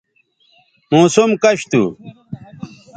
موسم کش تھو